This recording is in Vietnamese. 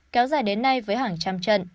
kéo dài đến nay với hàng trăm trận